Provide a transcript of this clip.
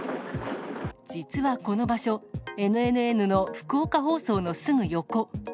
実はこの場所、ＮＮＮの福岡放送のすぐ横。